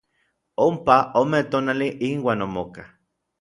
Ompa ome tonali inuan omokaj.